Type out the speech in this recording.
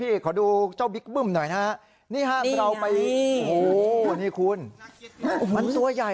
นี่ขอดูเจ้าบิ๊กบึ้มหน่อยครับ